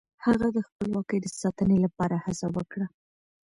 هغه د خپلواکۍ د ساتنې لپاره هڅه وکړه.